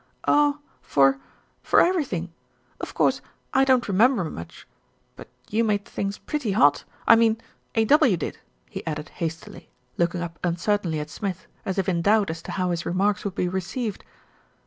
"Oh! for for everything. Of course I don't re member much; but you made things pretty hot I mean A.W. did," he added hastily, looking up uncertainly at Smith, as if in doubt as to how his remarks would be received.